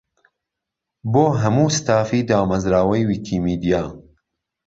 بۆ: هەموو ستافی دامەزراوەی ویکیمیدیا.